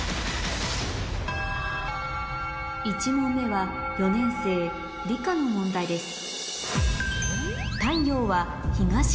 １問目は４年生理科の問題です